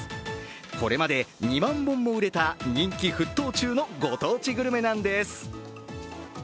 これまで２万本も売れた人気沸騰中のご当地グルメなんです。